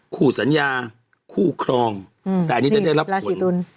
คู่สัญญาคู่ครองแต่อันนี้จะได้รับราศีตุล